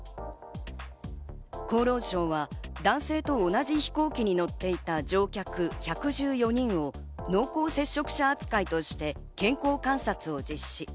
厚労省は男性と同じ飛行機に乗っていた乗客１１４人を濃厚接触者扱いとして健康観察を実施。